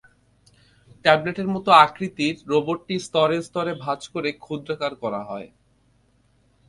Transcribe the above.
ট্যাবলেটের মতো আকৃতির রোবটটি স্তরে স্তরে ভাঁজ করে ক্ষুদ্রাকার করা হয়।